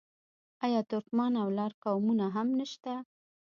آیا ترکمن او لر قومونه هم نشته؟